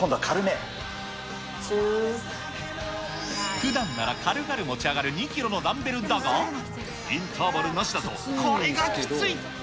ふだんなら軽々持ち上がる２キロのダンベルだが、インターバルなしだと、これがきつい。